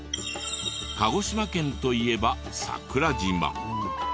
鹿児島県といえば桜島。